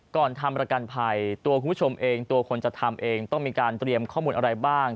ทำประกันภัยตัวคุณผู้ชมเองตัวคนจะทำเองต้องมีการเตรียมข้อมูลอะไรบ้าง